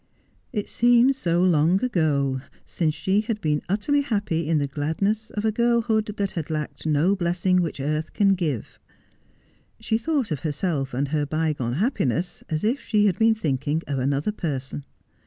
It seemed so long ago since she had been utterly happy in the gladness of a girlhood that had lacked no blessing which earth can give. She thought of herself and her bygone happiness as if she had been thinking of another person.